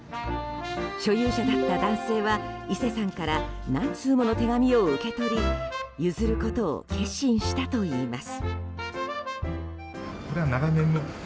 所有者だった男性は伊勢さんから何通もの手紙を受け取り譲ることを決心したといいます。